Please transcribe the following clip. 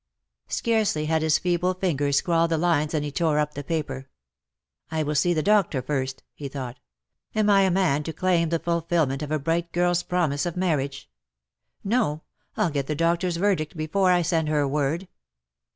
^'' Scarcely had his feeble fingers scrawled the lines than he tore up the paper. " I will see the doctor first/' he thought. " Am I a man to claim the fulfilment of a bright girPs promise of marriage ? No, I'll get the doctor's verdict before I send her a word.''